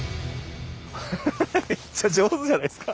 ハハハハめっちゃ上手じゃないですか。